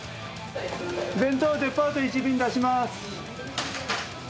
弁当デパート１便出します。